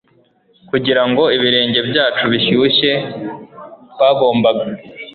Kugira ngo ibirenge byacu bishyushye twagombaga